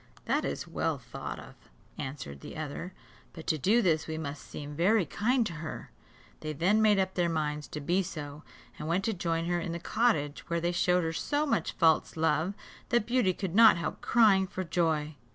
"That is well thought of," answered the other, "but to do this we must seem very kind to her." They then made up their minds to be so, and went to join her in the cottage where they showed her so much false love, that Beauty could not help crying for joy.